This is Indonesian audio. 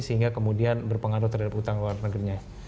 sehingga kemudian berpengaruh terhadap utang luar negerinya